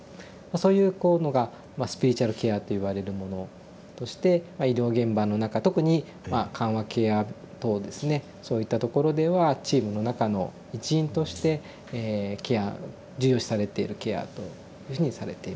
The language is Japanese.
そういうこうのがスピリチュアルケアっていわれるものとして医療現場の中特に緩和ケア棟ですねそういったところではチームの中の一員として重要視されているケアというふうにされています。